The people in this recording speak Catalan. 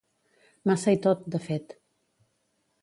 Massa i tot, de fet.